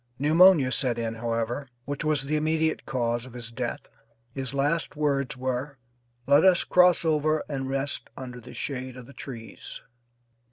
Pneumonia set in, however, which was the immediate cause of his death. His last words were, "Let us cross over and rest under the shade of the trees."